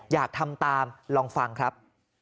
อยากทำตามลองฟังครับ